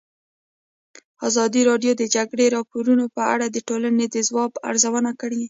ازادي راډیو د د جګړې راپورونه په اړه د ټولنې د ځواب ارزونه کړې.